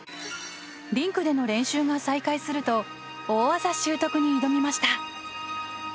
リンクでの練習が再開すると大技習得に挑みました。